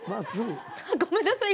ごめんなさい